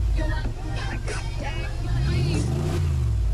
A learned man, he was versed in Arabic as well as Hebrew and Aramaic.